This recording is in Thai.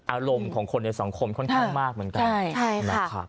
อารมณ์ของคนในสังคมค่อนข้างมากเหมือนกันนะครับ